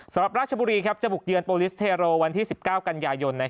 ราชบุรีจะบุกเยือนโปรลิสเทโรวันที่๑๙กันยายน